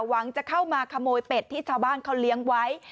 หวังจะเข้ามาขโมยเป็ดที่ชาวบ้านเขาเลี้ยงไว้